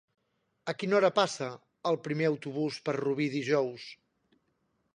A quina hora passa el primer autobús per Rubí dijous?